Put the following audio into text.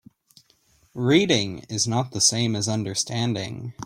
Reading is not the same as understanding.